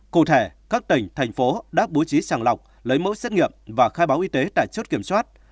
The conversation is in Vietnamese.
cụ thể các tỉnh thành phố đã bố trí sàng lọc lấy mẫu xét nghiệm và khai báo y tế tại chốt kiểm soát